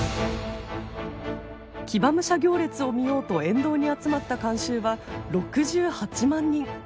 騎馬武者行列を見ようと沿道に集まった観衆は６８万人。